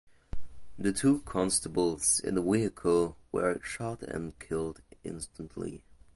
The two constables in the vehicle were shot and killed instantly.